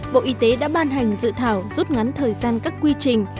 bộ y tế đã ban hành dự thảo rút ngắn thời gian các quy trình